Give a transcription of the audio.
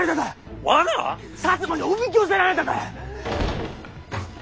摩におびき寄せられただ！